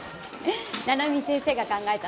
七海先生が考えたんです。